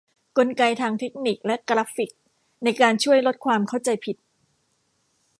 กลไกทางเทคนิคและกราฟิกในการช่วยลดความเข้าใจผิด